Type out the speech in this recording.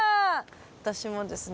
私もですね